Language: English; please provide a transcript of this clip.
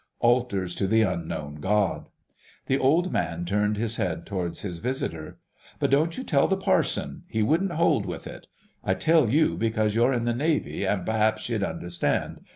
Altars to the unknown God! The old man turned his head towards his visitor. "But don't you tell the parson. He wouldn't hold with it.... I tell you because you're in the Navy, an' p'r'aps you'd understand.